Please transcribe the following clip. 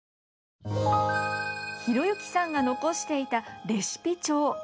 弘之さんが残していたレシピ帳。